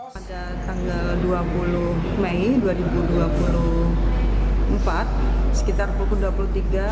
pada tanggal dua puluh mei dua ribu dua puluh empat sekitar pukul dua puluh tiga